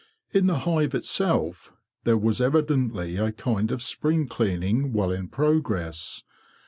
In the hive itself there was evidently a kind of spring cleaning well in progress.